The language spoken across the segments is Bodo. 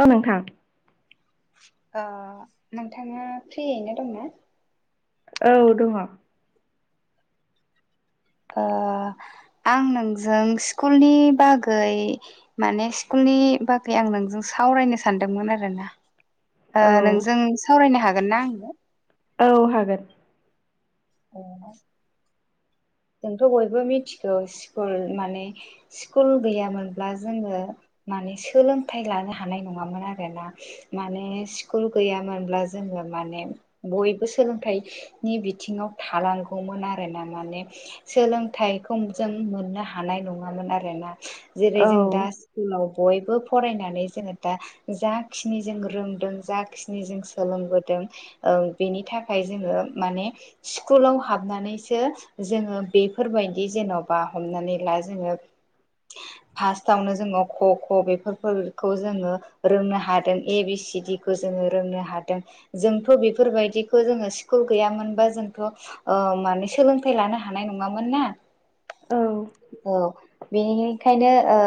ओ नोंथां नोंथांङा फ्रियैनो दंना औ दंङो ओ आं नोंजों स्कुलनि बागै माने स्कुलनि बागै आं नोंजों सावरायनो सानदोंमोन आरोना औ नोंजों सावरायनो हागोन ना आंङो औ हागोन [unintelligible] जोंथ' बयबो मिथिगौ स्कुल माने स्कुल गैयामोनब्ला जोंङो सोलोंथाइ लानो हानाय नंङामोन आरोोना माने स्कुल गैयामोन जों माने बयबो सोलोंथाइनि बिथिंङाव थानांगौमोन आर ना माने सोलोंथाइखौ जों मोननो हानाय नंङामोन आरो ना जेरै औ जों दा स्कुलाव बयबो फरायनानै जोंङो दा जाखिनि जों रोंदों जाखिनि जों सोलोंबोदों ओ बेनि थाखाय जोङो माने स्कुलाव हाबनानैसो जोङो बेफोरबायदि जेन'बा हमनानै ला जोङो [inaudible] फार्टावनो जोङो ख ख' बेफोरखौ जोङो रोंनो हादों ए बि सिडि खौ जोङो रोंनो हादों जोंथ' बेफोरबायदिखौ जोङो स्कुल गैयामोनबा जों ओ माने सोलोंथाइ लानो हानाय नङामोन ना औ औ बेनिखायनो ओ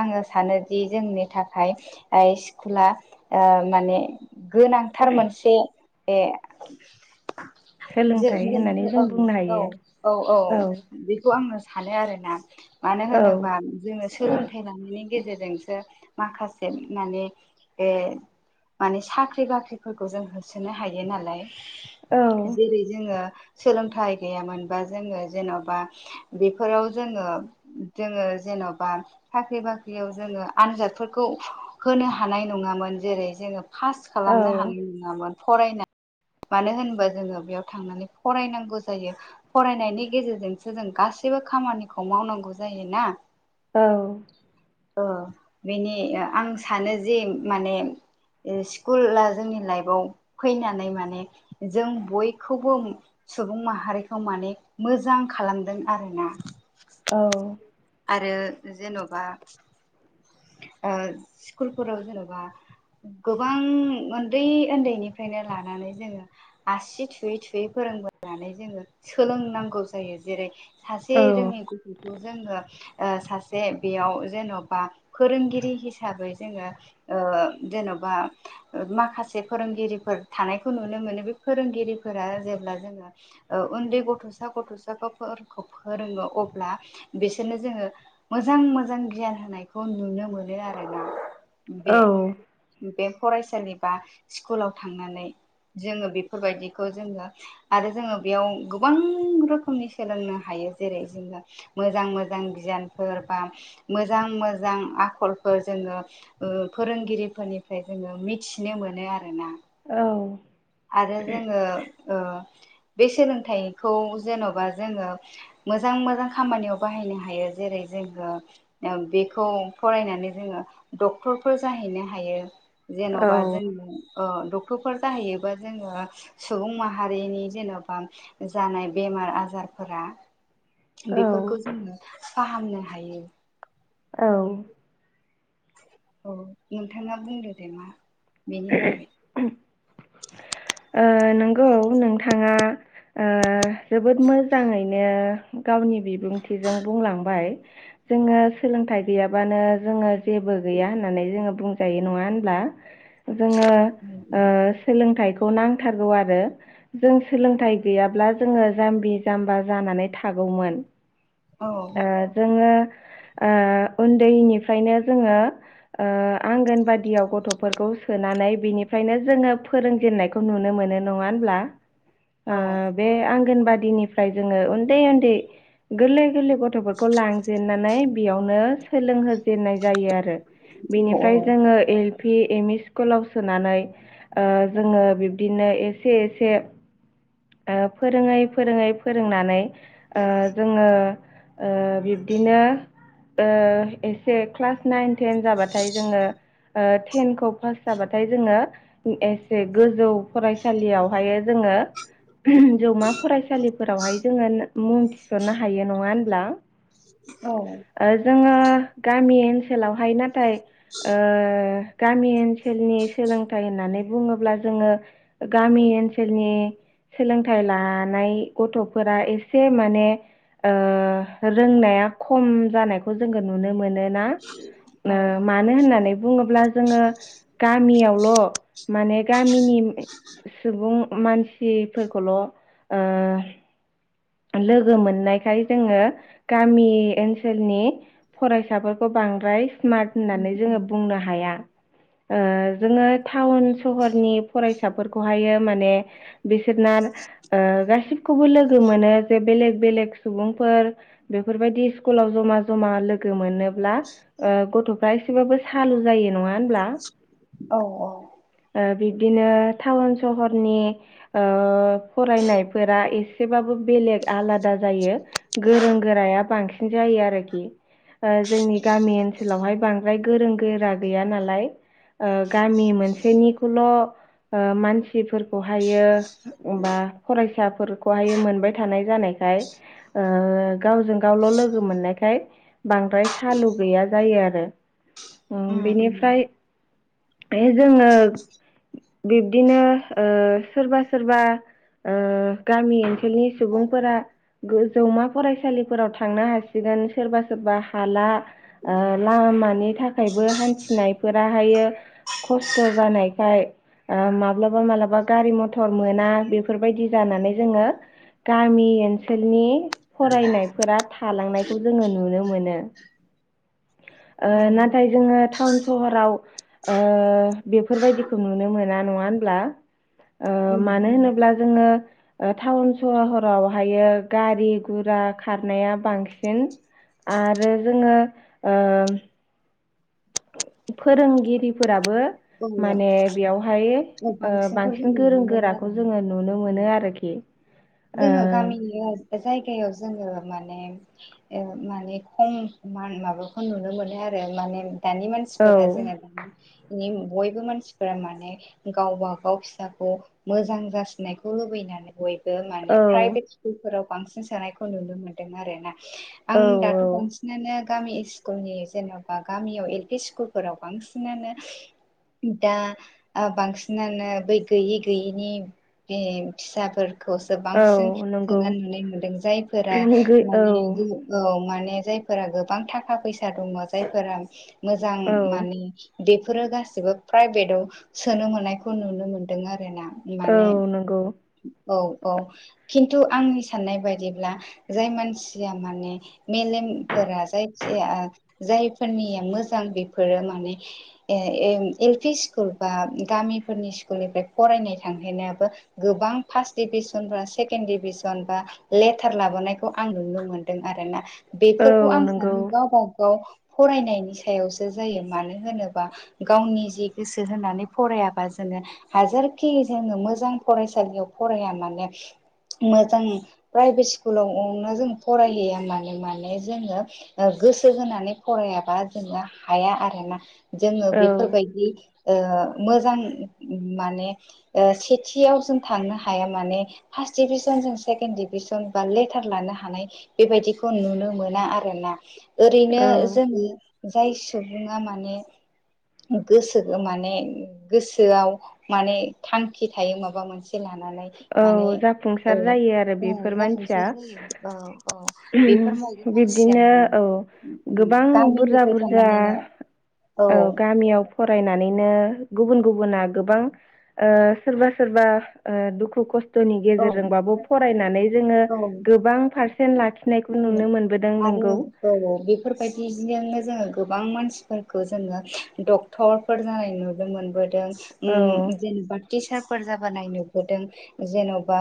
आङो सानोदि जोंनि थाखाय स्कुला ओ माने गोनांथार मोनसे बे सोलोंथाइ होननानै जो-जो-जो जों बुंनो हायो ओं औ औ औ बेखौ आङो सानो आरोना। मानो औ होनोबा जोङो सोलोंथाइ लानायनि गेजेरजोंसो माखासे माने माने साख्रि बाख्रिफोरखौ जों होसोनो हायो नालाय। औ जेरै जोङो सोलोंथाइ गैयामोनबा जोङो जेन'बा बेफोराव जोङो ङो जेन'बा साख्रि बाख्रियाव जोङो आनजादफोरखौ होनो हानाय नङामोन। जेरै जोङो पास औ खालामनो हानाय नङामोन फरायनानै मानो होनबा जोङो बेयाव थांनानै फरायनांगौ जायो फरायनायनि गेजेरजोंसो जों गासै बो खामानिखौ मावनांगौ जायोना औ ओ बेनि आं सानो जे माने स्कुला जोंनि लाइफआव फैनानै माने जों बयखौबो सुबुं माहारिखौ माने मोजां खालामदों आरोना। औ आरो जेन'बा स्कुलफोराव जेन'बा गोबां ओन्दै ओन्दैनिफ्रायनो लानानै जोङो आसि थुयै थुयै फोर रोंबोनानै जोङो सोलोंनांगौ जायो जेरै औ सासे रोङै गथ'खौ जोङो सासे बेयाव जेन'बा फोरोंगिरि हिसाबै जोङो जेन'बा माखासे फोरोंगिरिफोर थानायखौ नुनो मोनो बे फोरोंगिरिफोरा जेब्ला जोङो उन्दै गथ'सा गथ'साखौ फोरखो फोरोङो अब्ला बिसोरनो जोङो मोजां मोजां गियान होनाय खौ नुनो मोनो आरो ना बे बे फरायसालि बा स्कुलाव थांनानै जोङो बेफोरबायदिखौ जोङो आरो जोङो बेयाव गोबां रोखोमनि सोलोंनो हायो। जे जेरै जोङो मोजां मोजां गियानफोर बा मोजां मो जां आखलफोर जोङो फोरोंगिरिफोरनिफ्राय जोङो मिथिनो मोनो आरोना। औ आरो जोङो बे सोलोंथाइखौ जेन'बा जोङो मोजां मोजां खामानियाव बाहायनो हायो जेरै जोङो बेखौ फरायनानै जोङो डक्टरफोर जाहैनो हायो। जेन'बा जों ओ डक्टरफोर जाहैयो बा जोङो सुबुं माहारिनि जेन'बा जानाय बेमार आजारफोरा बेफोरखौ औ जोङो फाहामनो हायो। औ औ नोंथाङा बुंदो दे मा बेनि बागै औ ओ नंगौ नोंथाङा ओ जोबोद मोजाङैनो गावनि बिबुंथिजों बुंलांबाय। जोङो सोलोंथाइ गैयाबानो जोङो जेबो गैया होननानै जोङो बुंजायो नङा होनब्ला। [inaudible] जोङो ओ सोलोंथाइ खौ नांथारगौ आरो जों सोलोंथाइ गैयाब्ला जोङो जाम्बि जाम्बा जानानै थागौ गौमोन औ ओ जोङो ओ उन्दैनिफ्रायनो जोङो ओ आंगोनबादियाव गथ'फोरखौ सोनानै बिनिफ्रायनो जोङो फोरोंजेननाय खौ नुनो मोनो नङा होमब्ला ओ औ बे आंगोनबादि बादिनिफ्राय जोङो उन्दै उन्दै गोरलै गोरलै गथ'फोरखौ लांजेननानै बेयावनो सोलों हो जेननाय जायो आरो औ बेनिफ्राय जोङो ए पि एम इ स्कुलाव सोनानै ओ जोङो बिब्दिनो एसे एसे ओ फोरोङै फोरोङै फोरोंनानै ओ जोङो ओ बिब्दिनो ओ एसे क्लास नाइन टेन जाबाथाय जोङो ओ टेनखौ पास जाबाथाय जोङो एसे गोजौ फरायसालियावहायो जोङो जौमा फरायसालिफोरावहाय जोङो मुं थिसननो हायो नङा होनब्ला औ ओ जोङो गामि ओनसोलावहाय नाथाय ओह गामि ओनसोलनि सोलोंथाइ होननानै बुङोब्ला जोङो गामि ओनसोलनि सोलोंथाइ लानाय गथ'फोरा एसे माने ओ रोंनाया खम जानायखौ जोङो नुनो मोनोना औ औ मानो होननानै बुङोब्ला जोङो गामियावल' माने गामिनि सुबुं मानसिफोरखौल' ओ लोगो मोननायखाय जोङो गामि ओनसोलनि फरायसाफोरखौ बांद्राय स्मार्ट उम होननानै जोङो उम बुंनो हाया ओ जोङो टाउन सहरनि फरायसाफोरखौहायो माने बि नान ओ गासिखौबो लोग लोगो मोनो जे बेलेइ बेलेग सुबुंफोर बेफोरबायदि स्कुलाव जमा जमा लोगो मोनो ब्ला ओ गथ'फ्रा एसेबाबो सालु जायो नङा होनब्ला औ औ ओ बिबदिनो टाउन सहरनि ओ फरायनायफोरा एसेबाबो बेलेग आलादा जायो गोरों गोराया बांसिन जायो आरोखि ओ जोंनि गामि ओनसोलावहाय बांद्राय गोरों गोरा गैया नालाय ओ गामि मोनसेनिखौल' ओ मानसिफोरखौहायो बा फरायसाफोरखौहाय मोनबाय थानाय जानायखाय ओ गावजों गावल' लोगो मोननायखाय बांद्राय सालु गैया जायो आरो ओ उम उम बेनिफ्राय जोङो बिब्दिनो ओ सोरबा सोरबा ओ गामि ओनसोलनि सुबुंफोरा गो जौमा फरायसालिफोराव थांनो हासिगोन सोरबा सोरबा हाला ओ लामानि थाखायबो हान्थिनायफोरा हायो खस्थ' जानायखाय ओ माब्लाबा माबलाबा गारि मथर मोना बेफोरबायदि जानानै जोङो गामि ओनसोलनि फरायनायफोरा थालांनायखौ जोङो नुनो मोनो [inaudible] ओ नाथाय जोङो टाउन सहराव ओ बेफोरबायदिखौ नुनो मोन ना नङा होनब्ला मानो होनोब्ला ओ उम मानो होनोब्ला जोङो ओ टाउन सहरावहायो गारि गुरा खारनाया बांसिन आरो जोङो ओ फोरोंगिरिफोराबो उम औ माने बेयावहाय औ ओ बांसिनखौ बांसिन जोङो गोरों नुनो मोनो गोराखौ आरोना जोङो नुनो उम मोनो आरोखि जोङो गामि ओ जायगायाव जोङो माने ओ माने खम माबाखौ नुनो मोनो आरो माने दानि मानसिफोरा जोङो बयबो मानसिफोरा माने गावबा गाव फिसाखौ मोजां जासिनायखौ लुबैना नानै बयबो माने औ प्राइभेट स्कुल फोराव बांसिन सोनायखौ नुनो मोनदों आरो ना आं औ दाथ बांसिनानो गामि स्कुलनि जेनबा गामियाव एल पि स्कुलफोराव बांसिनानो। दा बांसिनानो बै गैयै गैयैनि बे फिसाफोर खौसो औ बांसिन नंगौ सोनारनानै मोनदों जायफोरा गै औ माने औ माने। जायफोर गोबां थाखा फैसा द जायफोरा मोजां औ माने। बेफोरो गासिबो प्राइभेटाव सोनो मोननायखौ नुनो मोन्दों आरो ना। औ नंगौ औ औ खिन्थु आंनि साननाय बायदिब्ला जाय मानसिया माने मेलेम फोर जायखि जाय जायफोरनिया मोजां बेफोरो माने। एल पि स्कुल बा गामिफोरनि स्कुलनिफ्राय फरायनाय थांहैनायाबो गोबां गोबां फार्स्ट डिभिसन बा सेकेणड डिभिसन बा लेटार लाबोनायखौ आं नुनो मोनदों आरो ना। औ बेफोरखौ आं नंगौ सानो गावबागाव फरायनायनि सायावसो जायो मानो होनोब्ला बा गावनि जि गोसो होनानै फरायाबा जोङो हाजारखि जोंङो मोजां फराय फरायसालियाव फराया मानो। मोजां प्राइभेट स्कुलावनो जों फरायलिया माने माने जोङो। गोसो होनानै फरायाबा जोङो हाया आरोना जोङो औ बेफोरबायदि ओ मोजां माने सेथियाव जों थांनो हाया माने फार्स्ट डिभिजन जों सेकेणड डिभिजन बा लेटार लानो हानाय बेबायदिखौ नुनो मोना आरो ना। ओरैनो औ जोंङो जाय सुबुङा माने गोसो माने गोसोआव माने थांखि थायो माबा मोनसे लाना। नानै माने औ ओ जाफुंसार जायो आरो बेफोर जाफुंसार मानसिया जायो ओ ओ‌ बेफोर मानसिया बिब्दिनो मानो औ गोबां बुरजा गामिनिफ्राय बुरजा थानानैनो। औ गामियाव फ फरायनानैनो गुबुन गुबुना गोबां ओ सोरबा सोरबा ओ दुखु। सुखुनि नि औ गेजेरजोंबाबो फरायनानै जोङो औ गोबां पारसेन्ट लाखिनायखौ औ नुनो मोनबोदों आरो नोंगौ औ औ बेफोरबायदिजोंनो जों। गोबां मानसिफोरखौ जोङो डक्टरफोर जानाय नुनो मोनबोदों। औ उ जेनबा टिचारफोर जाबाय नुबोदों जेन बा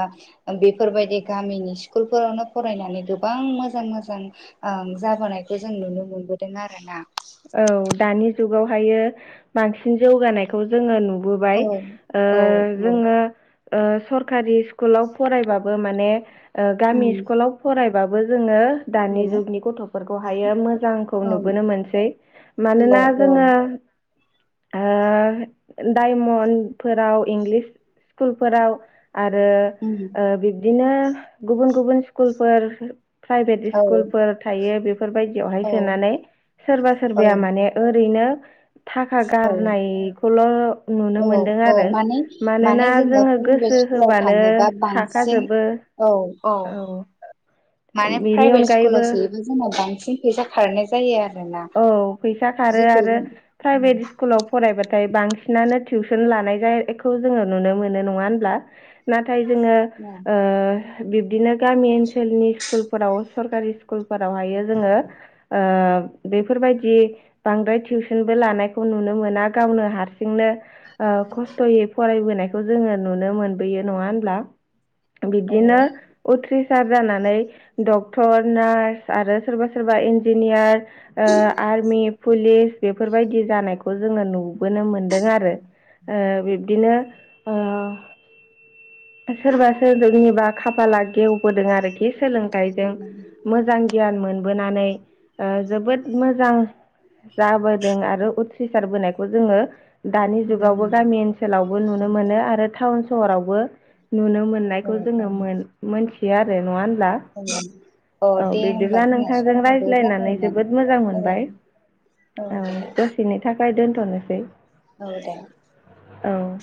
बेफोरबायदि गामिनि स्कुलफोरावनो फरायनानै गोबां मोजां मोजां ओ। जाबोनायखौ जों नुनो मोनबोदों आरो ना। औ दानि जुगावहायो बांसिन जौगानायखौ जोङो नु। नुबोबाय औ ओ औ औ जोङो ओ सरकारि स्कुलाव फरायबो माने माने गामि उम स्कुलाव फरायबाबो जोङो दानि जुगनि गथफोरखौहायो मोजांखौ नुबोनो औ मोनसै। औ मानोना औ जोङो ओ डायमनफोराव इंलिस स्कुलफोराव आरो उम ओ बिब्दिनो गुबुन गुबुन स्कुलफोर प्राइभेट औ स्कुलफोर थायो बेफोरबायदियावहाय औ सोनानै सोरबा सोरबाया माने ओरै बिनो थाखा औ गारनायखौल नुनो औ मोनदों औ आरो माने माने मानोना जोङो प्राइभेट गोसो स्कुलाव होबानो थाङोबा बांसिन हाखाजोबो। औ औ माने बेनि प्राइभेट स्कुलाव अनगायैबो सोयोबा जोंना बांसिन फैसा खारनाय जायो आरो। औ फैसा खारो आरो प्राइभेट उम स्कुलाव फ फरायबाथाय बांसिनानो टिउसन लानायखौ जोङो नुनो मोनो नङा होनब्ला ना नाथाय जोङो औ ओ बिब्दिनो गामि ओनसोलनि स्कुलफोराव सरकारि स्कुल। फोरावहाय जोङो ओ बेफोरबायदि बांद्राय टिउसनबो लानायखौ नुनो मोना गावनो हारसिंनो खस्थ'यै फरायबोनायखौ। जोङो नुनो मोनबोयो नङा होनब्ला औ बिदिनो उथ्रिना सार जानानै डक्टर नार्स आरो सोरबा सोरबा इन्जिनियार ओ आर्मि पुलिस बेफोरबायदि जानायखौ जोङो नुबोनो मोनदों आरो ओ बिब्दिनो ओ सोरबा सोरनिबा खाफाला गेवबोदों आरोखि सोलोंथाइजों मोजां गियान मोनबोनानै ओ जोबोद मोजां जाबोदों आरो उथ्रिसारबोनायखौ जोङो दानि जुगावबो गामि ओनसोलावबो नुनो मोनो आरो टाउन सहरावबो नुनो मोननायखौ औ जोङो मोनथियो आरो नङा होमबा औ औ दे होमबा बिब्दिब्ला जोंना नोंथांजों समाबो रायज्लायनानै जाबायमोन जोबोद मोजां औ मोनबाय औ दसेनि थाखाय दोनथ'नोसै औ दे औ